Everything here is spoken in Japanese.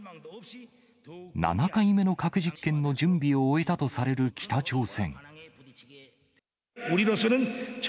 ７回目の核実験の準備を終えたとされる北朝鮮。